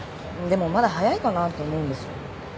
でもまだ早いかなと思うんですよ。